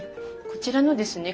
こちらのですね